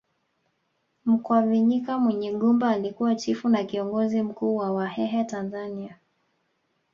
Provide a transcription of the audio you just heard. Mkwavinyika Munyigumba alikuwa chifu na kiongozi mkuu wa Wahehe Tanzania